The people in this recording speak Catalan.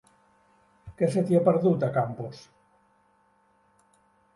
Què se t'hi ha perdut, a Campos?